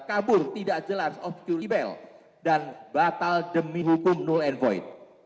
kabur tidak jelas of curibail dan batal demi hukum know and void